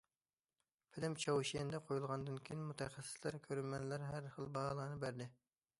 فىلىم چاۋشيەندە قويۇلغاندىن كېيىن مۇتەخەسسىسلەر، كۆرۈرمەنلەر ھەر خىل باھالارنى بەردى.